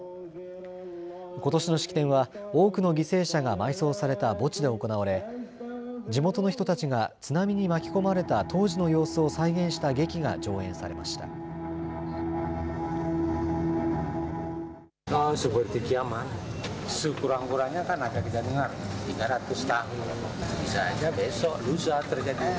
ことしの式典は多くの犠牲者が埋葬された墓地で行われ地元の人たちが津波に巻き込まれた当時の様子を再現した劇が上演されました。